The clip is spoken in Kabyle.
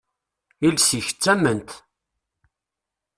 Iles-ik, d tament!